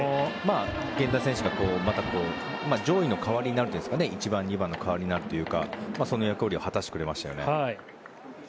源田選手がまた上位の代わりになるというか１番、２番の代わりになるというかその役割を果たしてくれましたよね。